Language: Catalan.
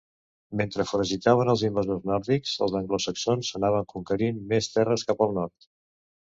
Mentre foragitaven els invasors nòrdics, els anglosaxons anaven conquerint més terres cap al nord.